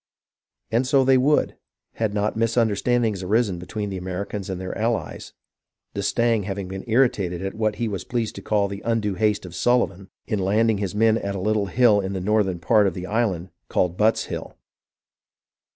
And so they would, had not misunderstandings arisen between the Americans and their allies, d'Estaing having been irritated at what he was pleased to call the un due haste of Sullivan in landing his men at a little hill in the northern part of the island, called Butt's Hill.